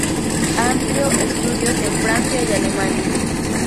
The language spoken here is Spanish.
Amplió estudios en Francia y Alemania.